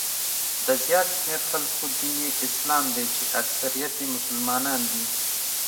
د زیات شمېر خلکو دین یې اسلام دی چې اکثریت یې مسلمانان دي.